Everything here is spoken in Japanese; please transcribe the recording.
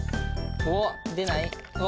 おっ出ない？